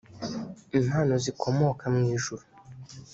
impano zikomoka mu ijuru